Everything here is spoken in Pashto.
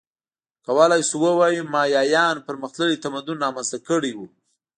کولای شو ووایو مایایانو پرمختللی تمدن رامنځته کړی و